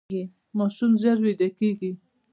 ماشوم ژر ویده کیږي.